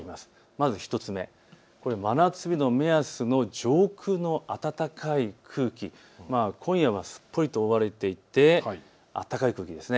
まず１つ目、真夏日の目安の上空の暖かい空気、今夜はすっぽりと覆われていて暖かい空気です。